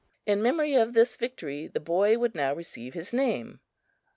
In memory of this victory, the boy would now receive his name.